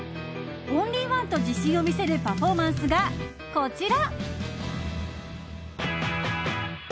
オンリーワンと自信を見せるパフォーマンスが、こちら！